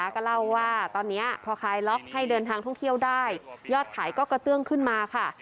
ก็เล่าว่าตอนนี้พอคลายล็อกให้เดินทางท่องเที่ยวได้ยอดขายก็กระเตื้องขึ้นมาค่ะ